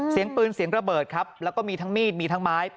เสียงปืนเสียงระเบิดครับแล้วก็มีทั้งมีดมีทั้งไม้